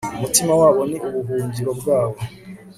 Umutima wabo ni ubuhungiro bwabo